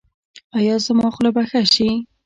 ایا زما خوله به ښه شي؟